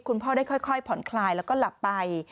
คุณพ่อได้ค่อยผ่อนคลายแล้วก็หลับไป